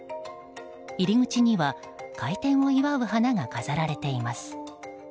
入り口には開店を祝う花が飾られています。